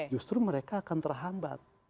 justru mereka akan terhambat